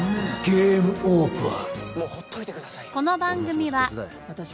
ゲームオーバー。